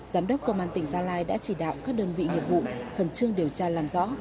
giám đốc công an tỉnh gia lai đã chỉ đạo các đơn vị nghiệp vụ khẩn trương điều tra làm rõ